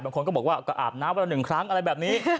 บางคนก็บอกว่าก็อาบน้ำวันละ๑ครั้งอะไรแบบนี้